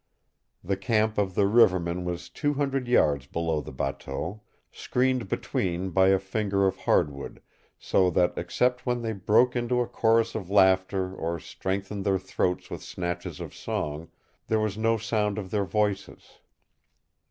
The camp of the rivermen was two hundred yards below the bateau, screened between by a finger of hardwood, so that except when they broke into a chorus of laughter or strengthened their throats with snatches of song, there was no sound of their voices.